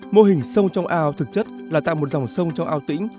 mô hình sông trong ao thực chất là tạo một dòng sông cho ao tĩnh